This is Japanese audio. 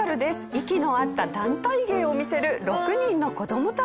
息の合った団体芸を見せる６人の子供たち。